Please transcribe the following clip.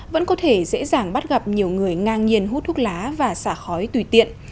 vẫn có thể dễ dàng bắt gặp nhiều người ngang nhiên hút thuốc lá và xả khói tùy tiện